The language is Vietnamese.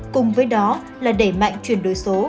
cùng với đó là đẩy mạnh chuyển đối số